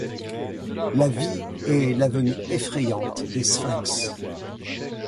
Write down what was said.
La vie est l’avenue effrayante des sphinx.